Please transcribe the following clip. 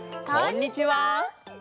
こんにちは！